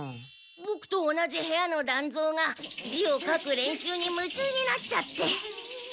ボクと同じ部屋の団蔵が字を書く練習にむちゅうになっちゃって。